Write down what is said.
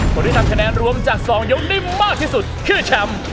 คนที่ทำคะแนนรวมจาก๒ยกได้มากที่สุดคือแชมป์